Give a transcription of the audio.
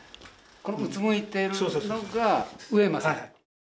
このうつむいてるのが上間さん。